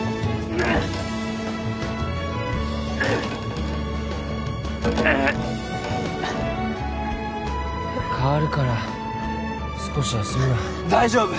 うう替わるから少し休みな大丈夫！